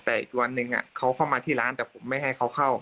แต่อีกวันหนึ่งเขาเข้ามาที่ร้านแต่ผมไม่ให้เขาเข้า